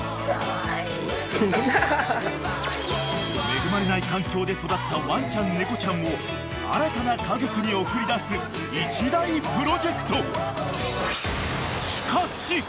［恵まれない環境で育ったワンちゃん猫ちゃんを新たな家族に送り出す一大プロジェクト］